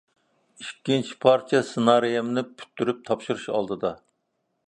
ئىككىنچى پارچە سېنارىيەمنى پۈتتۈرۈپ تاپشۇرۇش ئالدىدا.